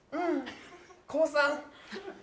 高３。